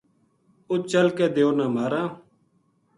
اُت چل کے دیو نا ماراں ‘‘